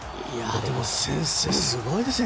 先生、すごいですよ。